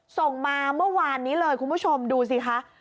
ส่งมาเมื่อวานนี้เลยคุณผู้ชมดูสิคะ